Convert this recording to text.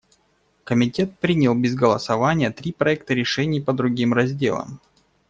Комитет принял без голосования три проекта решений по другим разделам.